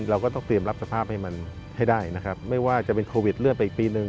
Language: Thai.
เราก็ต้องเตรียมรับสภาพให้มันให้ได้นะครับไม่ว่าจะเป็นโควิดเลื่อนไปอีกปีหนึ่ง